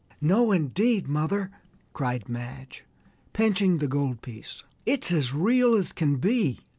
"No, indeed, mother!" cried Madge, pinching the gold piece, "it's as real as can be!"